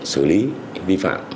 xử lý vi phạm